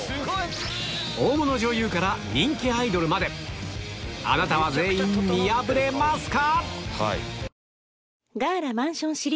大物女優から人気アイドルまであなたは全員見破れますか？